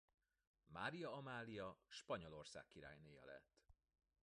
Mária Amália Spanyolország királynéja lett.